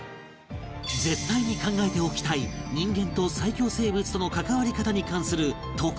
絶対に考えておきたい人間と最恐生物との関わり方に関する特別授業